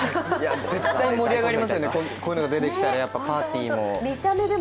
絶対盛り上がりますよね、こういうのが出てきたらパーティーも。